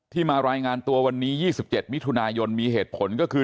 มารายงานตัววันนี้๒๗มิถุนายนมีเหตุผลก็คือ